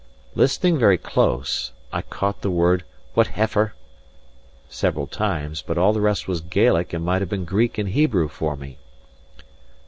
Listening very close, I caught the word "whateffer" several times; but all the rest was Gaelic and might have been Greek and Hebrew for me.